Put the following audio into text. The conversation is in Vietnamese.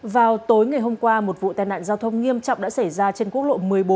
vào tối ngày hôm qua một vụ tai nạn giao thông nghiêm trọng đã xảy ra trên quốc lộ một mươi bốn